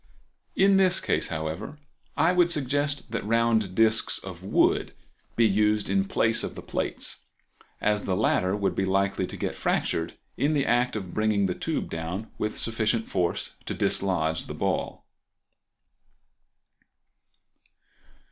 In this case, however, I would suggest that round discs of wood be used in place of the plates, as the latter would be likely to get fractured in the act of bringing the tube down with sufficient force to dislodge the ball.